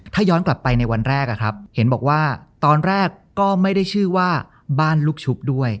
ถ้าย้อนกลับไปในวันแรกเห็นบอกว่าตอนแรกก็ไม่ได้ชื่อว่าบ้านลูกชุบด้วย